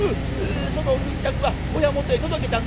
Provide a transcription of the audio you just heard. そのお巾着は親元へ届けたんか？」。